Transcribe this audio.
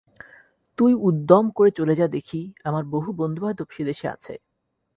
তুই উদ্যম করে চলে যা দেখি! আমার বহু বন্ধুবান্ধব সে দেশে আছে।